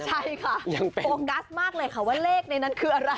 ใช่ค่ะโฟกัสมากเลยค่ะว่าเลขในนั้นคืออะไร